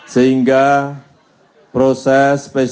sehingga proses pesta ini